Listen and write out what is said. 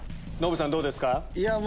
ノブさんどうですか？